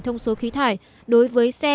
thông số khí thải đối với xe